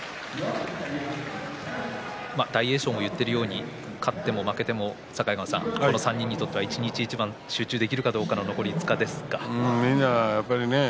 大栄翔も言っているように勝っても負けてもこの３人にとっては一日一番に集中できるかどうかの残り５日間ということになりますか？